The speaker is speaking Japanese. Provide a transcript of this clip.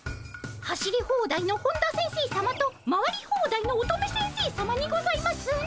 走りホーダイの本田先生さまと回りホーダイの乙女先生さまにございますね。